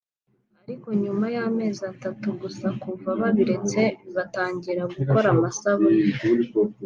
ariko nyuma y’amezi atatu gusa kuva babiretse bagatangira gukora amasabune